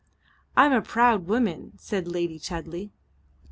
"I'm a proud woman," said Lady Chudley.